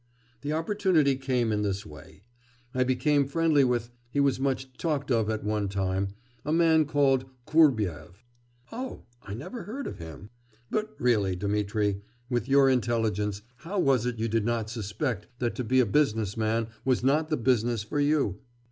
The opportunity came in this way. I became friendly with he was much talked of at one time a man called Kurbyev.' 'Oh, I never heard of him. But, really, Dmitri, with your intelligence, how was it you did not suspect that to be a business man was not the business for you?